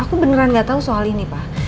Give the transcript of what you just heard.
aku beneran gak tahu soal ini pak